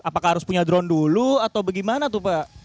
apakah harus punya drone dulu atau bagaimana tuh pak